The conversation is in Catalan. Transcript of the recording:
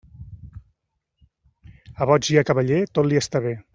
A boig i a cavaller, tot li està bé.